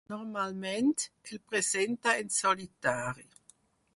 Normalment el presenta en solitari.